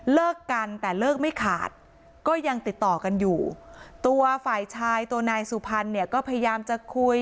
เลิกกันแต่เลิกไม่ขาดก็ยังติดต่อกันอยู่ตัวฝ่ายชายตัวนายสุพรรณเนี่ยก็พยายามจะคุย